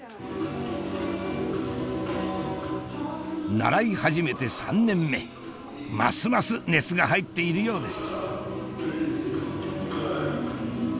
習い始めて３年目ますます熱が入っているようです